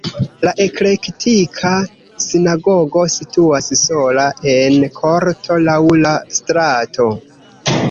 La eklektika sinagogo situas sola en korto laŭ la strato.